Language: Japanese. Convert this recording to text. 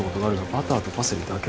バターとパセリ。